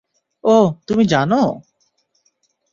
ওহ, তুমি জানো?